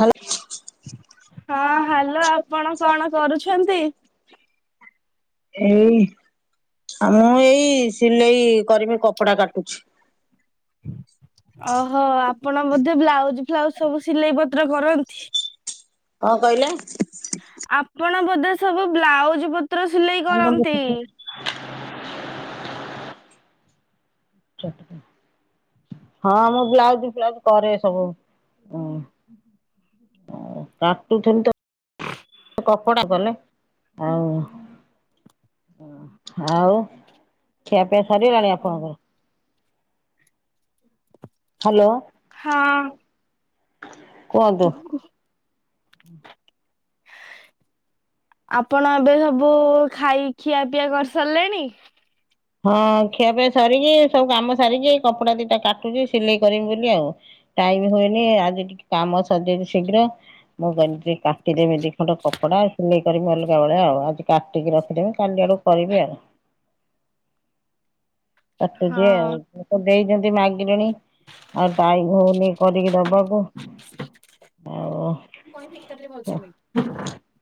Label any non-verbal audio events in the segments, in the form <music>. Hello. ହଁ hello ଆପଣ କଣ କରୁଛନ୍ତି? ଏଇ ଆଉ ମୁଁ ଏଇ ସିଲେଇ କରିବି କପଡା କାଟୁଛି। ଓହୋ ଆପଣ ବୋଧେ ବ୍ଲାଉଜୁ ଫ୍ଲାଉଜୁ ସବୁ ସିଲେଇ ପତ୍ର କରନ୍ତି? କଁ କଇଲେ? ଆପଣ ବୋଧେ ସବୁ ବ୍ଲାଉଜ୍ ପତ୍ର ସିଲେଇ ହଁ କରନ୍ତି? <inaudible> <unintelligible> ହଁ, ମୁଁ ବ୍ଲାଉଜ ଫ୍ଲାଉଜ କରେ ସବୁ, ହୁଁ। ହଁ କାଟୁଥିଲି ତ କପଡା କଲେ ଆଉ ଆଉ ଖିଆପିଆ ସାରଗଲା ଆପଣଙ୍କର? ହାଲୋ। କୁହନ୍ତୁ। ଆପଣ ଏବେ ସବୁ ଖାଇ ଖିଆ ପିଆ କରିସାରିଲେଣି? ହଁ ଖିଆପିଆ ସରିିକି ସବୁ କାମ ସାରିକି ଏଇ କପଡା ଦିଇଟା କାଟୁଚି ସିଲେଇ କରବି ବୋଲି ଆଉ। ଟାଇମ୍ ହୁଏନି ଆଜି ଟିକେ କାମ ସରିଯାଇଚି ଶୀଘ୍ର। ମୁଁ କହିନି ଟିକେ କାଟିଦେମି ଦି ଖଣ୍ଡ କପଡା ସିଲେଇ କରିି ଅଲଗାବେଳେ ଆଉ ଆଜି କାଟିକି ରଖିଦେମି କାଲି ଆଡୁକୁ କରିବି ଆଉ। କାଟୁଚି ହଁ ଆଉ ଲୋକ ଦେଇଚନ୍ତି ମାଗିଲେଣି। ଆଉ ଟାଇମ୍ ହଉନି କରିକି ଦବାକୁ। ଆଉ <inaudible>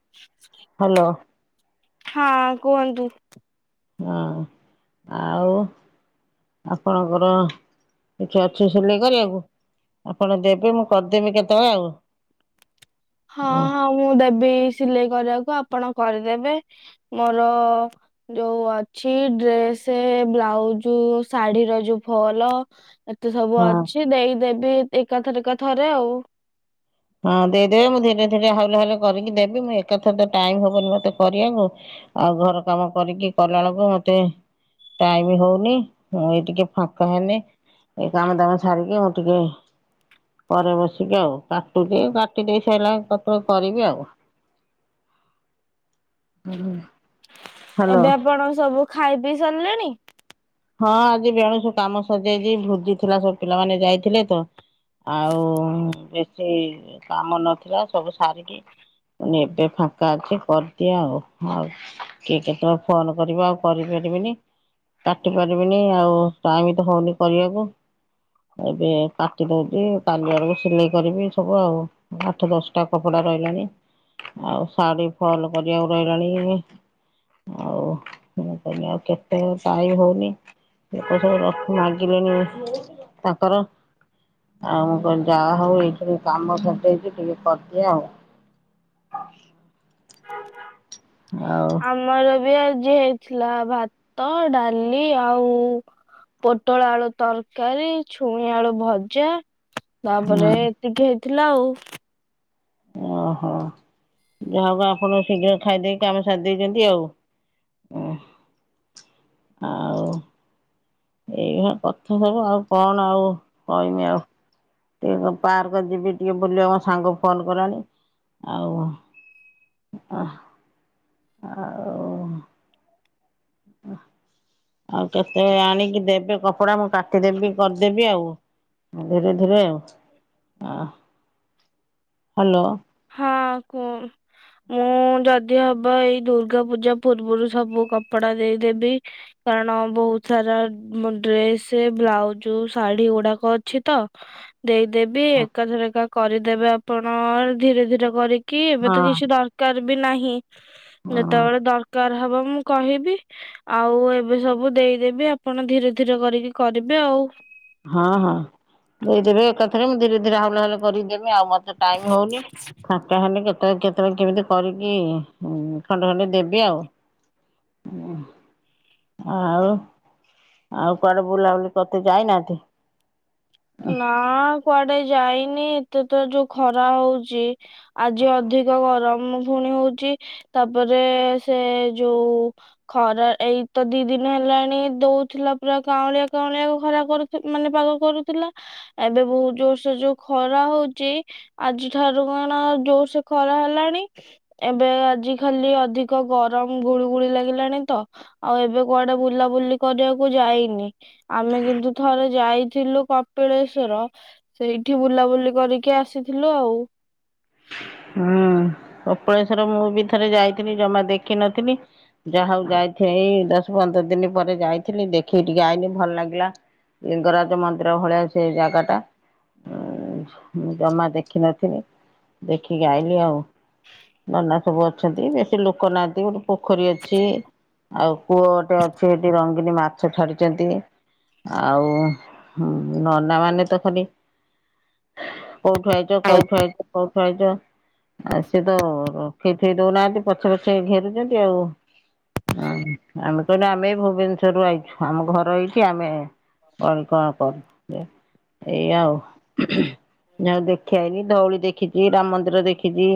ହ ଲୋ। ହଁ କୁହନ୍ତୁ। ହଁ ଆଉ ଆପଣଙ୍କର। କିଛି ଅଛି ସିଲେଇ କରିବାକୁ ଆପଣ ଦେବେ ମୁଁ କରିଦେମି କେତବେଳେ ଆଉ। ହଁ, ହଁ ମୁଁ ଦେବି ସିଲେଇ କରିବାକୁ ଆପଣ କରିଦେବେ ମୋର ଯୋଉ ଅଛି ଡ୍ରେସେ, ବ୍ଲାଉଜୁ ଶାଢୀର ଯୋଉ ଫଲ ଏତେ ସବୁ ହଁ। ଅଛି ଦେଇଦେବି ଏକାଥର ଥରେ ଆଉ। ହଁ ଦେଇଦେବେ ମୁଁ ଧୀରେ ଧୀରେ ହାଉଲେ ହାଉଲେ କରିକି ଦେବି ମୁଁ ଏକାଥରେ ତ ଟାଇମ୍ ହବନି ମତେ କରିବାକୁ। ଆଉ ଘର କାମ କରିକି କଲା ବେଳକୁ ମତେ ଟାଇମ୍ ହଉନି। ମୁଁ ଏଇ ଟିକେ ଫାଙ୍କା <unintelligible> ଏ କାମ ଦାମ ସାରିକି ମୁଁ ଟିକେ ପରେ ବସିକି ଆଉ, କାଟୁଛିି କାଟି ଦେଇ ସାଇଲା କତୁରୁ କରିବି ଆଉ। ହୁଁ ଏବେ ଆପଣ ସବୁ ଖାଇ ପିଇ ସାରିଲେଣି? ହଁ ଆଜି ବେଣୁସୁ କାମ ସରିଯାଇଛି, ଭୋଜି ଥିଲା ସବୁ ପିଲାମାନେ ଯାଇଥିଲେ ତ। ଆଉ ବେଶୀ କାମ ନଥିଲା ସବୁ ସାରିକି ମୁ କହିନି ଏବେ ଫାଙ୍କା ଅଛି କରିଦିଏ ଆଉ, ହଉ। କିଏ କେତଳେ ଫୋନ୍ କରିବ ଆଉ କରିପାରିବିନି। କାଟି ପାରିବିନି ଆଉ ଟାଇମ୍ ତ ହଉନି କରିବାକୁ। ଏବେ କାଟି ଦଉଚି, କାଲି ଆଡକୁ ସିଲେଇ କରିବି ସବୁ ଆଉ, ଆଠ ଦଶ କଟା କପଡା ରହିଲାଣି, ଆଉ ଶାଢୀ ଫଲ୍ କରିବାକୁ ରହିଲାଣି। ଆଉ, ମୁଁ କହିନି ଆଉ କେତେ ସାଇ ନି ଲୋକ ସବୁ ମାଗିଲେଣି ତାଙ୍କର। ଆଉ ମୁ କହିନି ଯାହା ହଉ ଏଇଖିରି କାମ ସରଦେଇଛି ଟିକେ କରିଦିଏ ଆଉ। ଆଉ। ଆମର ବି ଆଜି ହେଇଥିଲା ଭାତ, ଡାଲି ଆଉ ପୋଟଳ ଆଳୁ ତରକାରୀ, ଛୁଇଁ ଆଳୁ ଭଜା। ହୁଁ ତାପରେ ଏତିକି ହେଇଥିଲା ଆଉ। ଓହୋ, ଯାହାକୁ ଆପଣ ଶୀଘ୍ର ଖାଇଦେଇକି କାମ ସାରି ଦେଇଛନ୍ତି ଆଉ। ଆଉ। ଏଇରା କଥା ସବୁ ଆଉ, କଣ ଆଉ କହିମି ଆଉ? <unintelligible> ପାର୍କ ଯିବି ଟିକେ ବୁଲିବାକୁ ମୋ ସାଙ୍ଗକୁ ଫୋନ୍ କଲାଣି, ଆଉ ଅହଃ, ଆଉ ଆଉ କେତେବେଳେ ଆଣିକି ଦେବେ କ କପଡ଼ା ମୁଁ କାଟିଦେଖୀ କରିଛନ୍ତି ଆଉ, ଧୀରେ ଧୀରେ ଆଉ। ଆ, ହାଲୋ। ହଁ, କୁହ। ମୁଁ ଯଦି ହବ ଏଇ ଦୁର୍ଗା ପୂଜା ପୂର୍ବରୁ ସବୁ କପଡା ଦେଇଦେବି। କାରଣ ବହୁତ ସାରା ମୋ ଡ୍ରେସ, ବ୍ଲାଉଜ, ଶାଢୀ ଗୁଡାକ ଅଛି ତ <unintelligible> ଦେଇଦେବି, ଏକାଥର ଏକା କରିଦେବେ ଆପଣ, ଧୀରେ ଧୀରେ କରିକି ଏବେ ହଁ ତ କିଛି ଦର କାର ବି ନାହିଁ, ହଁ ଯେତେବେଳେ ଦରକାର ହବ ମୁଁ କହିବି ଆଉ ଏବେ ସବୁ ଦେଇଦେବି ଆପଣ ଧୀରେ ଧୀରେ କରିକି କରିବେ ଆଉ ହଁ ହଁ, ଦେଇଦେବେ ଏକଥାରେ ମୁଁ ଧୀରେ ଧୀରେ ହାଉଲେ ହାଉଲେ କରିକି ଦେବି ଆଉ, ମ ଟାଇମି ହଉନି, ଫାଙ୍କା ହେଲେ କେତେବେଳେ କେ ତମେ କେମିତି କରିକି ଖଣ୍ଡେ ଖଣ୍ଡେ ଦେବି ଆଉ। ଆଉ ଆଉ କୁଆଡେ ବୁଲାବୁଲି କରିତେ ଯାଇନାହାନ୍ତି? ନା କୁଆଡେ ଯାଇନି, ଏତେ ତ ଯୋଉ ଖରା ହୋଉଛି। ଆଜି ଅଧିକ ଗରମ ପୁଣି ହୋଉଛି, ତାପରେ ସେ ଯୋଉ ଖରା ଏଇତ ଦି ଦିନ ହେଲାଣି ଦଉଥିଲା ପୁରା କାଉଁଳିଆ କାଉଁଳିଆ ଖରା କରୁ ମାନେ ପାଗ କରୁଥିଲା ଏବେ ବୋହୁତୁ ଜୋରସେ ଯୋଉ ଖରା ହଉଛି। ଆଜି ଠାରୁ କଣ ଜୋର ସେ ଖରା ହେଲାଣି। ଏବେ ଆଜି ଖାଲି ଅଧିକ ଗରମ ଗୁଳୁ ଗୁଳି ଲାଗିଲାଣି ତ ଆଉ ଏବେ କୁଆଡେ ବୁଲାବୁଲି କରିବାକୁ ଯାଇନି ଆମେ କିନ୍ତୁ ଥରେ ଯାଇଥିଲୁ। କପିଳେଶ୍ଵର ସେଇଠି ବୁଲାବୁଲି କରିକି ଆସିଥିଲୁ ଆଉ। ହୁଁ କପଳେଶ୍ୱର ମୁଁ ବି ଥରେ ଯାଇଥିଲି ଜମା ଦେଖିନଥିଲି ଯାହା ହଉ ଯାଇ ଏଇ ଦଶ ପନ୍ଦର ଦିନ ପରେ ଯାଇଥିଲି ଦେଖିକି ଟିକେ ଆଇଲି ଭଲ ଲାଗିଲା। ଲିଙ୍ଗରାଜ ମନ୍ଦିର ଭଳିଆ ସେ ଜାଗା ଟା। ଉଁ ମୁଁ ଜମା ଦେଖିନଥିଲି ଦେଖିକି ଆାଇଲି ଆଉ। ନନା ସବୁ ଅଛନ୍ତି ବେଶୀ ଲୋକ ନାହାନ୍ତି ଗୋ ପୋଖରୀ ଅଛି ଆଉ କୂଅ ଗୋଟେ ଅଛି ହେଠି ରଙ୍ଗିନୀ ମାଛ ଛାଡିଛନ୍ତି। ଆଉ ନନା ମାନେ ତ ଖଲି କୋଉଠୁ ଆଇଚ କୋଉଠୁ ଆଇଚ କୋଉଠୁ ଆଇଚ। ଆଉ ସିଏ ତ ରଖେଇ ଥୁଇ ଦଉନାହାନ୍ତି ପଛେ ପଛେ ଘେରୁଚନ୍ତି ଆଉ। ହ ଆମେ କହିଲୁ ଆମେ ଭୁବନେଶ୍ଵରରୁ ଆଇଛୁ ଆମ ଘର ଏଇଠି ଆମେ <unintelligible> ଏଇ ଆଉ ଯା ହଉ ଦେଖିଆଇଲି ଧଉଳି ଦେଖିଛି ରାମ ମନ୍ଦିର ଦେଖି ଖିଜି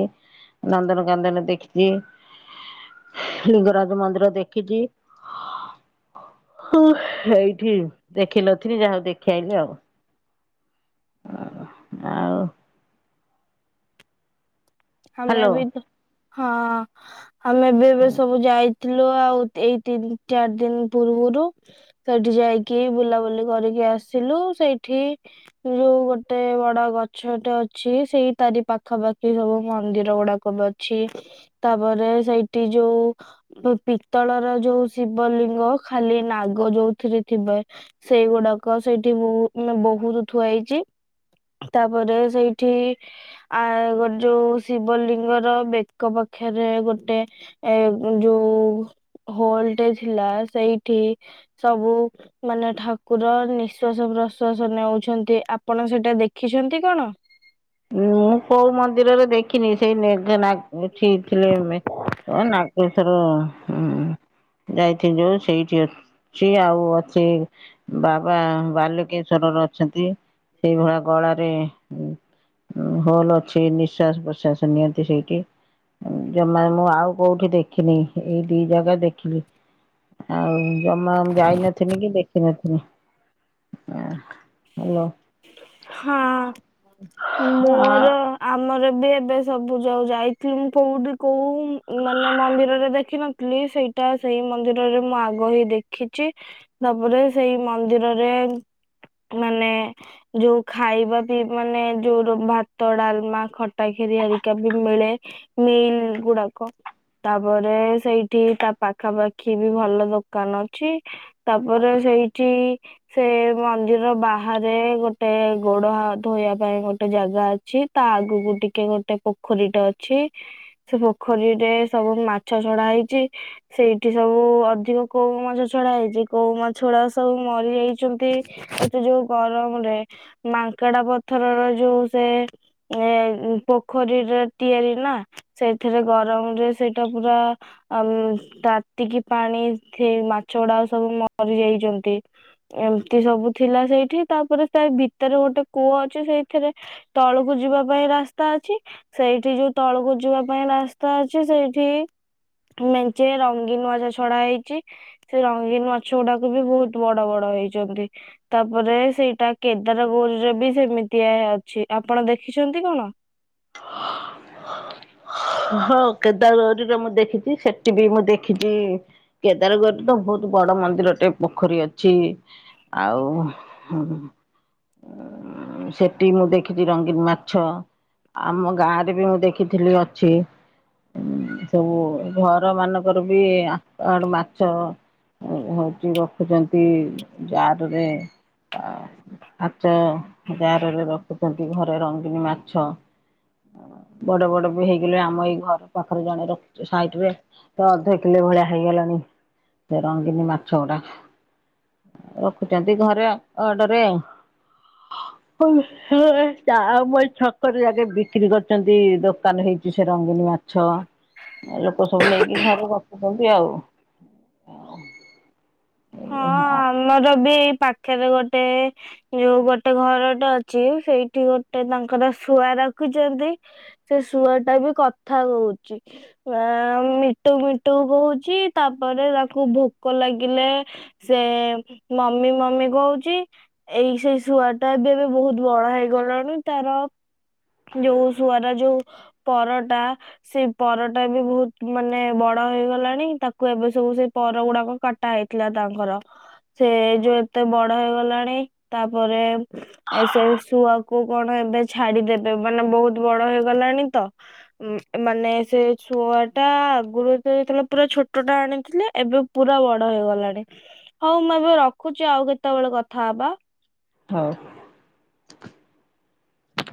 ନନ୍ଦନ କାନ୍ଦନ ଦେଖିଜି ଲିଙ୍ଗରାଜ ମନ୍ଦିର ଦେଖିଛି। ହଁ ଏଇଠି ଦେଖିନଥିଲି ଯା ହଉ ଦେଖିଆଇଲି ଆଉ। ଓ ହ ଆଉ। ଆମେ ହ୍ୟାଲୋ। ବି ତ ହଁ। ଆମେ ବି ଏବେ ସବୁ ଯାଇଥିଲୁ ଆଉ ଏଇ ତିନି ଚାରି ଦିନ ପୂର୍ବରୁ। ସେଠି ଯାଇକି ବୁଲାବୁଲି କରିକି ଆସିଲୁ ସେଇଠି ୠ ଗୋଟେ ବଡ ଗଛଟେ ଅଛି ସେଇ ତାରି ପାଖାପାଖି ହବୁ ମନ୍ଦିର ଗୁଡାକ ବି ଅଛି ତାପରେ ସେଇଠି ଯୋଉ ପିତ୍ତଳର ଯୋଉ ଶିବଲିଙ୍ଗ ଖାଲି ନାଗ ଯୋଉଥିରେ ଥିବେ। ସେଇଗୁଡାକ ସେଇଠି ବହୁ ବହୁତୁ ଥୁଆ ହେଇଚି। ତାପରେ ସେଇଠି ଆ ଯଉ ଶିବଲିଙ୍ଗ ର ବେକ ପଖେରେ ଗୋଟେ ଏ ଯୁ ହୋଲଟେ ଥିଲା ସେଇଠି ସବୁ ମାନେ ଠାକୁର ନିଶ୍ଵାସ ପ୍ରଶ୍ଵାସ ନେଉଛନ୍ତି ଆପଣ ସେଟା ଦେଖିଛନ୍ତି କଣ? ମୁଁ କୋଉ ମନ୍ଦିରରେ ଦେଖିନି ସେଇ ନିଧନାକ ଠିକ ଥିଲେ ମେ କଣ ନାଗେଶର ଉଁ। ଯାଇଥିଲୁ ସେଇଠି ଅ ଛି ଆଉ ଅଛି। ବାବା ବାଲୁକେଶ୍ଵରର ଅଛନ୍ତି ସେଇଭଳା ଗଳାରେ ହୋଲ୍ ଅଛି ନିଶ୍ଵାସ ପ୍ରଶ୍ୱାସ ନିଅନ୍ତି ସେଇଠି। ଜମା ମୁଁ ଆଉ କୋଉଠି ଦେଖିନି ଏଇ ଦି ଜାଗା ଦେଖିଲି। ଆଉ। ଜମା ଯାଇନଥିଲି କି ଦେଖିନଥିଲି ଆଁ ହାଲୋ। ହଁ ମୋର। ଆମର ବି ଏବେ ସବୁ ଯଉ ଯାଇଥିଲି କୋଉଠି କୋଉ ମାନେ ମନ୍ଦିରରେ ଦେଖିନ ଲି ସେଇଟା ସେଇ ମନ୍ଦିରରେ ମୁଁ ଆଗ ହି ଦେଖିଛି। ତାପରେ ସେଇ ମନ୍ଦିରରେ। ମାନେ। ଯୋଉ ଖାଇବା ବି ମାନେ ଯୋଉ ଭାତ, ଡାଲମା, ଖଟା, ଖିରି ହେରିକା ବି ମିଳେ। ମିଲ୍ ଗୁଡାକ। ତାପରେ ସେଇଠି ତା ପାଖାପାଖି ବି ଭଲ ଦୋକାନ ଅଛି। ତାପରେ ସେଇଠି, ସେ ମନ୍ଦିର ବାହାରେ ଗୋଟେ ଗୋଡ ଧୋଇବା ପାଇଁ ଗୋଟେ ଜାଗା ଅଛି। ତା ଆଗକୁ ଟିକେ ଗୋଟେ ପୋ ପୋଖରୀଟେ ଅଛି ସେ ପୋଖରୀରେ ସବୁ ମାଛ ଛଡା ହେଇଛି। ସେଇଠି ସବୁ ଅଧିକ କଉ ମାଛ ଛଡା ହେଇଛି। କଉ ମାଛଗୁରା ସବୁ ମରିଯାଇଛନ୍ତି। ଯୋଉ ଗରମରେ ମାଙ୍କଡା ପଥରର ଯୋଉ ସେ ଏ ପୋଖରୀରେ ତିଆରି ନା। ସେଥିରେ ଗରମରେ ସେଇଟା ପୁରା ଆ ତାତିକି ପାଣି ଫି-ମାଛ ଗୁଡାକ ସବୁ ମରି ଯାଇଛନ୍ତି। ଏମ୍ତି ସବୁ ଥିଲା ସେଇଠି। ତା ପରେ ସେ ଭିତରେ ଗୋଟେ କୂଅ ଅଛି, ସେଇଥିରେ ତଳକୁ ଯିବା ପାଇଁ ରାସ୍ତା ଅଛି। ସେଇଠି ଯୋଉ ତଳକୁ ଯିବା ପାଇଁ ରାସ୍ତା ଅଛି। ସେଇଠି ମେଞ୍ଚେ ରଙ୍ଗୀନ୍ ମାଛ ଛଡା ହେଇଛି। ସେ ରଙ୍ଗୀନ୍ ମାଛ ଗୁଡାକୁ ବି ବହୁତ ବଡ ବଡ ହେଇଚନ୍ତି। ତାପରେ ସେଇଟା କେଦାର ଗୌରୀରେ ବି ସେମିତିଆ ଅଛି। ଆପଣ ଦେଖିଛନ୍ତି କଣ? ହଁ କେଦାର ଗୌରୀରେ ମୁଁ ଦେଖିଛି। ସେଠି ବି ମୁଁ ଦେଖିଛି, କେଦାରଗୌରୀ ତ ବହୁତ ବଡ ମନ୍ଦିରଟେ, ପୋଖରୀ ଅଛି। ଆଉ ସେଠି ମୁଁ ଦେଖିଛି ରଙ୍ଗୀନ୍ ମାଛ। ଆମ ଗାଁରେ ବି ମୁଁ ଦେଖିଥିଲି ଅଛି। ସବୁ ଘର ମାନଙ୍କର ବି ଆଡୁ ମାଛ ରଖୁଛନ୍ତି ଜାର୍ ରେ। <inaudible> କାଚ ଜାରରେ ରଖୁଛନ୍ତି, ଘରେ ରଙ୍ଗନୀ ମାଛ। ବଡ ବଡ ବି ହେଇଗଲେ, ଆମ ଏଇ ଘର ପାଖରେ ଜଣେ ରଖୁଛି ସାଇଟ୍ ରେ ତ ଅଧ କିଲେ ଭଳିଆ ହେଇଗଲାଣି ସେ ରଙ୍ଗିନୀ ମାଛ ଗୁଡାକ। ରଖୁଛନ୍ତି ଘରେ ଅଡରେ <inaudible> <unintelligible> ଆମ ଏଇ ଛକରେ ଯଗେ ବିକ୍ରି କରିଛନ୍ତି ଦୋକାନ ହେଇକି। ସେ ରଙ୍ଗୀନି ମାଛ ଲୋକ ସବୁ ନେଇକି ଘରେ ରଖୁଛନ୍ତି। ଆଉ। ହଁ ଆମର ବି ଏଇ ପାଖରେ ଗୋଟେ ଯୋଉ ଗୋଟେ ଘର ଟା ଅଛି, ସେଇଠି ଗୋଟେ ତାଙ୍କର ଶୁଆ ରଖୁଛନ୍ତି। ସେ ଶୁଆ ଟା ବି କଥା ହହୁଛି। ଆ ମିଟୁ ମିଟୁ କହୁଚି। ତାପରେ ତାକୁ ଭୋକ ଲାଗିଲେ ସେ ମମି ମମି କହୁଛି। ଏଇ ସେଇ ଶୁଆଟା ବି ଏବେ ବହୁତ ବଡ ହେଇଗଲାଣି। ତାର ଯୋଉ ଶୁଆର ଯୋଉ ପରଟା ସେ ପରଟା ବି ବହୁତ ମାନେ ବଡ ହେଇଗଲାଣି ତାକୁ ଏବେ ସବୁ ସେ ପର ଗୁଡାକ କଟାଏ। ଥିଲା ତାଙ୍କର। ସେ ଯୋଉ ଏତେ ବଡ ହେଇଗଲାଣି। ତାପରେ ଏ ସେ ଶୁଆକୁ କଣ ଏବେ ଛାଡିଦେବେ, ମାନେ ବହୁତ ବଡ ହେଇଗଲାଣି ତ। ଉ ମାନେ ସେ ଶୁଆଟା ଆଗରୁ ଯେତେବେଳେ ପୁରା ଛୋଟଟା ଆଣିଥିଲେ। ଏବେ ପୁରା ବଡ ହେଇଗଲାଣି। ହଉ ମୁଁ ଏବେ ରଖୁଛି ଆଉ କେତେବେଳେ କଥା ହବା। ହଉ।